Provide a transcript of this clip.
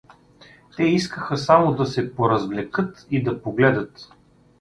Те искаха само да се поразвлекат и да погледат.